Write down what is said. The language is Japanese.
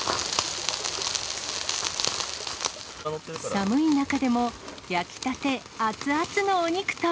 寒い中でも焼き立て、熱々のお肉と。